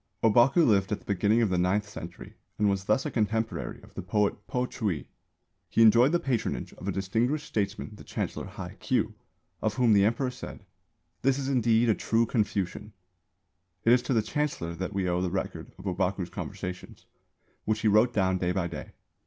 Ōbaku lived at the beginning of the ninth century, and was thus a contemporary of the poet Po Chü i. He enjoyed the patronage of a distinguished statesman the Chancellor Hai Kyū, of whom the Emperor said, "This is indeed a true Confucian." It is to the Chancellor that we owe the record of Ōbaku's conversations, which he wrote down day by day.